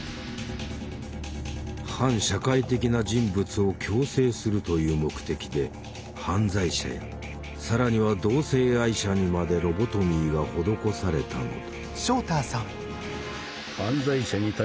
反社会的な人物を矯正するという目的で犯罪者や更には同性愛者にまでロボトミーが施されたのだ。